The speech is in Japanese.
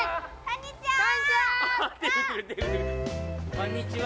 こんにちは。